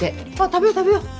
食べよう食べよう。